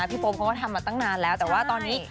โป๊ปเขาก็ทำมาตั้งนานแล้วแต่ว่าตอนนี้